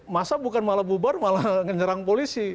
massa bukan malah bubar malah ngerang polisi